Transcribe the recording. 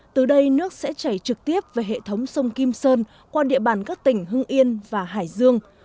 từ đây nước sẽ chảy trực tiếp về hệ thống sông kim sơn qua địa bàn các tỉnh hưng yên và hải dương